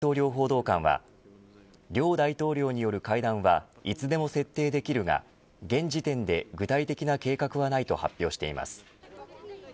一方ロシアの大統領報道官は両大統領による会談はいつでも設定できるが現時点で具体的な計画はないと発表しています。